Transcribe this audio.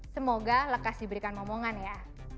semoga lekas diberikan omongan ya